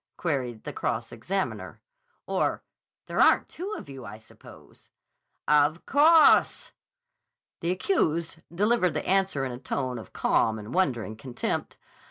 queried the cross examiner. "Or—there aren't two of you, I suppose." "Of cawse!" The accused delivered the answer in a tone of calm and wondering contempt.